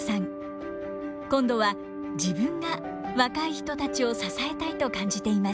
今度は自分が若い人たちを支えたいと感じています。